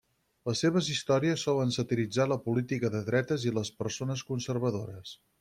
Les seves històries solen satiritzar la política de dretes i les persones conservadores.